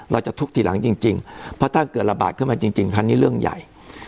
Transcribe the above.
จะทุบทีหลังจริงเพราะถ้าเกิดระบาดขึ้นมาจริงครั้งนี้เรื่องใหญ่